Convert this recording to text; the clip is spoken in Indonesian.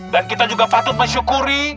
dan kita juga patut menyukuri